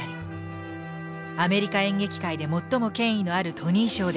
アメリカ演劇界で最も権威のあるトニー賞で４部門を受賞した。